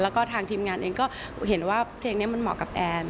แล้วก็ทางทีมงานเองก็เห็นว่าเพลงนี้มันเหมาะกับแอน